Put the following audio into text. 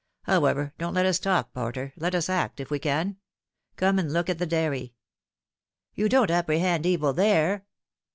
However, don't let us talk, Porter. Let us act, if we can. Conie and look at the dairy." " You don't apprehend evil there